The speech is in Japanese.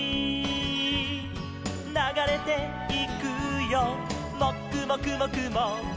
「ながれていくよもくもくもくも」